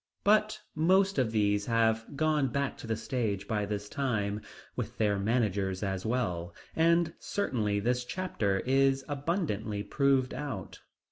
But most of these have gone back to the stage by this time, with their managers as well, and certainly this chapter is abundantly proved out.